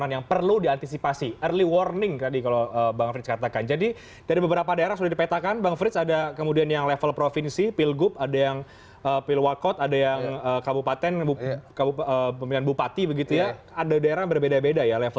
yang kabupaten pemilihan bupati begitu ya ada daerah berbeda beda ya